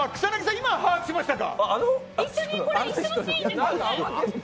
今把握しましたか。